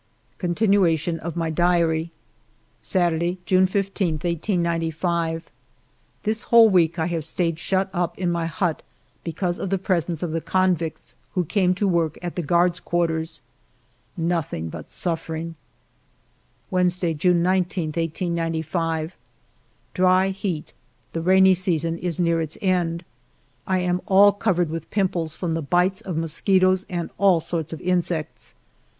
Continuation of my Diary Saturday^ June 15, 1895. This whole week I have stayed shut up in my hut because of the presence of the convicts, who came to work at the guards' quarters. Nothing but suffering. ALFRED DREYFUS 145 Wednesday^ June 19, 1895. Dry heat; the rainy season is near its end. I am all covered with pimples from the bites of mosquitoes and all sorts of insects.